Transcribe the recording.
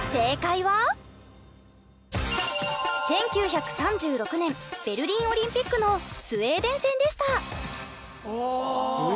１９３６年ベルリンオリンピックのスウェーデン戦でした。